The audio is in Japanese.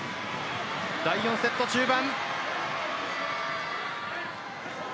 第４セット中盤。